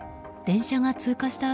電車が通過した